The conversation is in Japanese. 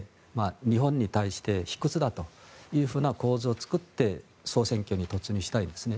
日本に対して卑屈だという構図を作って総選挙に突入したいんですね。